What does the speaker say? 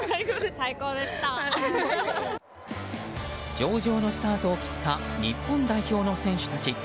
上々のスタートを切った日本代表の選手たち。